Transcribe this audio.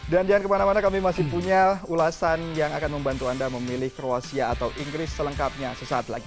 dan jangan kemana mana kami masih punya ulasan yang akan membantu anda memilih kroasia atau inggris selengkapnya sesaat lagi